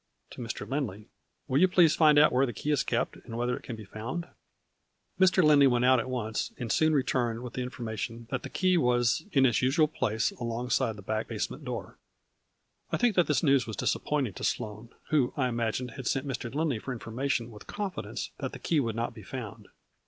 To Mr. Lindley. " Will you please find out where the key is kept, and whether it can be found ?" Mr. Lindley went out at once and soon re turned with the information that the key was in 58 A FL URR Y IN DIAMO NDS. its usual place, alongside the back basement door. I think that this news was disappointing to Sloane, who, I imagined, had sent Mr. Lindley for information with confidence that the key would not be found.